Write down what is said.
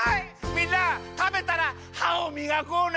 みんなたべたらはをみがこうね！